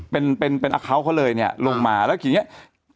เป็นแอคเคาต์เขาเลยลงมาแล้วคืออย่างนี้